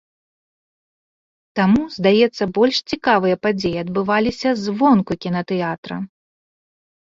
Таму, здаецца, больш цікавыя падзеі адбываліся звонку кінатэатра.